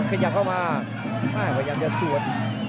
ขยับเข้ามาพยายามจะสวน